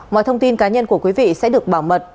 mọi thông tin cá nhân của quý vị sẽ được bảo mật